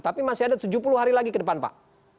tapi masih ada tujuh puluh hari lagi ke depan pak